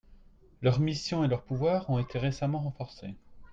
Leurs missions et leurs pouvoirs ont été récemment renforcés.